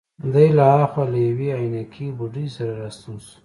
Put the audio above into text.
دی له هاخوا له یوې عینکې بوډۍ سره راستون شو.